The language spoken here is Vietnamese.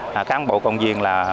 các bộ công viên là